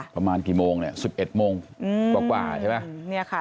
ประมาณกี่โมงสิบเอ็ดโมงกว่ากว่าใช่ไหม